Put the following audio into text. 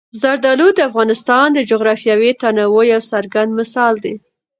زردالو د افغانستان د جغرافیوي تنوع یو څرګند مثال دی.